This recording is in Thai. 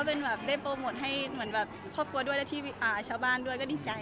หนูก็ได้โปรโมทให้ครอบครัวด้วยและชาวบ้านด้วยก็ดีใจ